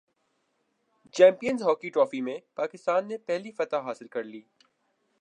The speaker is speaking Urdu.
چیمپئنز ہاکی ٹرافی میں پاکستان نے پہلی فتح حاصل کرلی